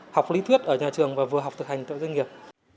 học lý thuyết ở nhà trường và vừa học thực hành tạo doanh nghiệp